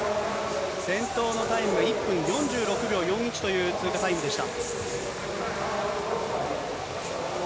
先頭のタイムが１分４６秒４１という通過タイムでした。